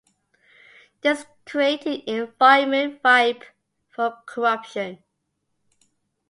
This created an environment ripe for corruption.